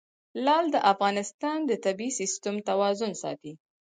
لعل د افغانستان د طبعي سیسټم توازن ساتي.